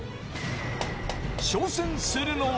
挑戦するのは。